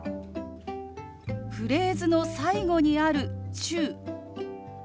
フレーズの最後にある「中」。